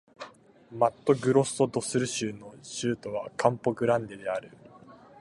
マットグロッソ・ド・スル州の州都はカンポ・グランデである